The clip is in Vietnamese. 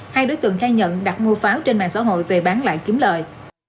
hai đối tượng khai nhận đặt mua pháo trên mạng xã hội về bán lại kiếm lời